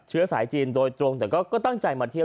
เชื้อสายจีนโดยตรงแต่ก็ตั้งใจมาเที่ยว